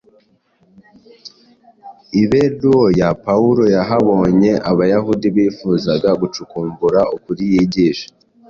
iberoya pawulo yahabonye abayahudi bifuzaga gucukumbura ukuri yigishaga.